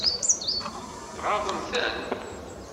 Tɣaḍemt-ten?